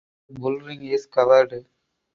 The bullring is covered.